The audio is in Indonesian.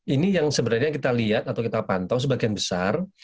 ini yang sebenarnya kita lihat atau kita pantau sebagian besar